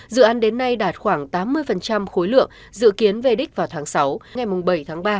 dự án đến nay đạt khoảng tám mươi khối lượng dự kiến về đích vào tháng sáu ngày bảy tháng ba